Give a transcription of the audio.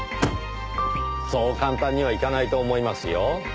そう簡単にはいかないと思いますよ。